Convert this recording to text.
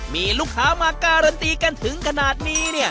มีลูกค้ามาการันตีกันถึงขนาดนี้